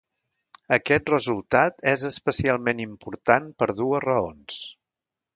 Aquest resultat és especialment important per dues raons.